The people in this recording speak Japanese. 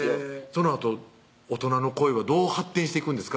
そのあと大人の恋はどう発展していくんですか？